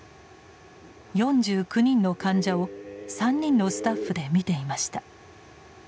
４９人の患者を３人のスタッフでみていました。